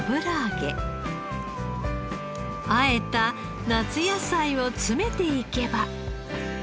和えた夏野菜を詰めていけば。